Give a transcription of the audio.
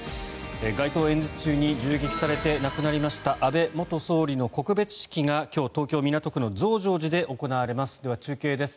街頭演説中に銃撃されて亡くなりました安倍元総理の告別式が今日、東京・港区の増上寺で行われます。